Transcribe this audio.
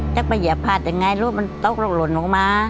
จะเหมือนผีภาษาได้ไงรู้มันตกลงลงออกมา